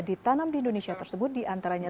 ditanam di indonesia tersebut diantaranya